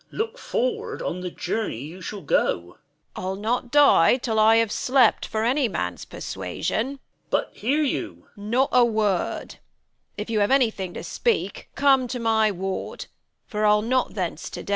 Look forward on the journey you shall go. Bern. I'll not die till I have slept, for any Man's persuasion. Duke. But, hear you — Bern. Not a word; if you have any thing to speak Come to my ward, for I'll not thence to day.